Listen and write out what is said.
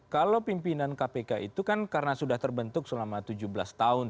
kalau pimpinan kpk itu kan karena sudah terbentuk selama tujuh belas tahun